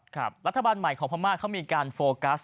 รัฐบาลใหม่ของพม่าเขามีการโฟกัส